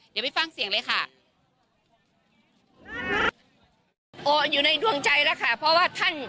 เดี๋ยวไปฟังเสียงเลยค่ะ